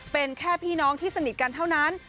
เป็นแค่พี่น้องที่สนิทกันเท่านั้น